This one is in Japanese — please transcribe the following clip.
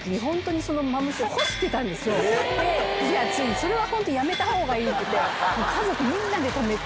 それはホントやめたほうがいいって家族みんなで止めて。